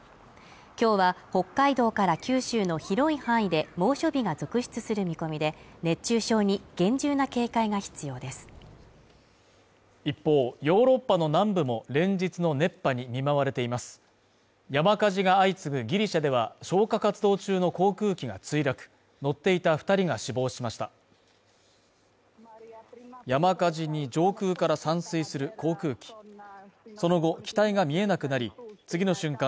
今日は北海道から九州の広い範囲で猛暑日が続出する見込みで熱中症に厳重な警戒が必要です一方、ヨーロッパの南部も連日の熱波に見舞われています山火事が相次ぐギリシャでは消火活動中の航空機が墜落、乗っていた二人が死亡しました山火事に上空から散水する航空機その後機体が見えなくなり次の瞬間